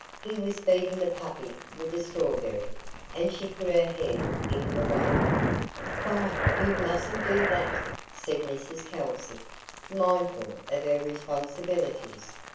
He was feeding the puppy with a strawberry, and she put her head in the way. "Fie! You mustn't do that," said Mrs Kelsey, mindful of her responsibilities.